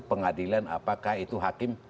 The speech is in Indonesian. pengadilan apakah itu hakim